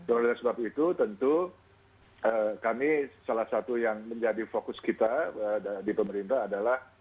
oleh sebab itu tentu kami salah satu yang menjadi fokus kita di pemerintah adalah